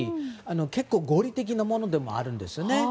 結構、合理的なものでもあるんですよね。